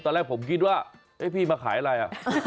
ตอนแรกผมคิดว่าพี่มาขายอะไรอ่ะ